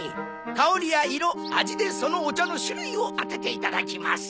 香りや色味でそのお茶の種類を当てていただきます。